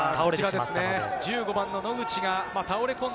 １５番・野口が倒れ込ん